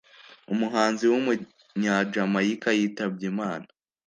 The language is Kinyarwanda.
umuhanzi w’umunyajamayika yitabye Imana